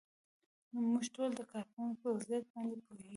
موږ ټول د کارکوونکو په وضعیت باندې پوهیږو.